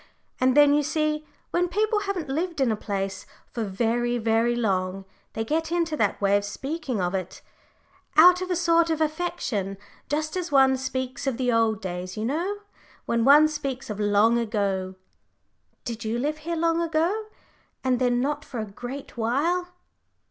And then, you see, when people haven't lived in a place for very, very long, they get into that way of speaking of it out of a sort of affection just as one speaks of the old days, you know, when one speaks of long ago." "Did you live here long ago, and then not for a great while?"